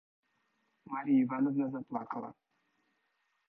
Марья Ивановна заплакала.